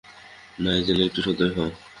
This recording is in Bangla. নাইজেল, একটু সদয় হও।